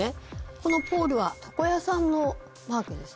このポールは床屋さんのマークです。